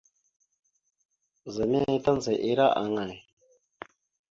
Ɓəza nehe taŋga ira aŋay?